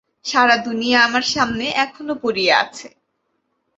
সারা দুনিয়া আমার সামনে এখনও পড়িয়া আছে।